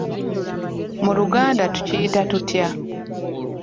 Mu Luganda tukiyita tutya?